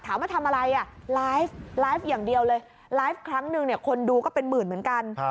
ถามว่าทำอะไรอ่ะไลฟ์ไลฟ์อย่างเดียวเลยไลฟ์ครั้งหนึ่งเนี่ยคนดูก็เป็นหมื่นเหมือนกัน